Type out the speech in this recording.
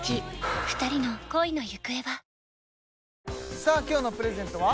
さあ今日のプレゼントは？